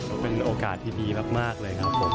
ก็เป็นโอกาสที่ดีมากเลยครับผม